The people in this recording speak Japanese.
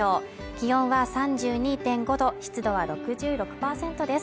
気温は３２．５度、湿度は６６％です。